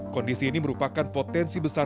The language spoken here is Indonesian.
kondisi ini merupakan potensi besar